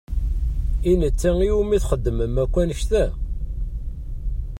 I netta i wumi txedmem akk annect-a?